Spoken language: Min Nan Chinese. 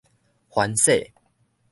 番黍